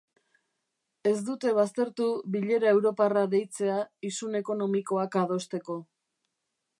Ez dute baztertu bilera europarra deitzea isun ekonomikoak adosteko.